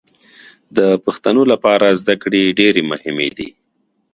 د پښتنو لپاره زدکړې ډېرې مهمې دي